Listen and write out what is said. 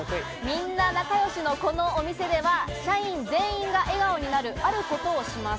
皆仲よしのこのお店では社員全員が笑顔になるあることをします。